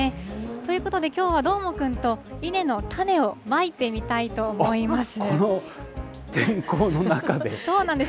ということで、きょうはどーもくんとイネの種をまいてみたいと思この天候の中で？